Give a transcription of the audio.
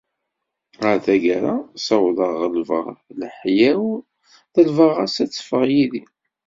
Ɣer tagara ssawḍeɣ ɣelbeɣ leḥya-w, ḍelbeɣ-as ad teffeɣ yid-i.